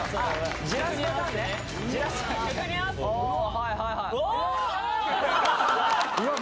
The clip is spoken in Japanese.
はいはいはいおっ！